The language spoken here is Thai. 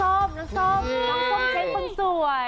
น้องส้มเช่นปังสวย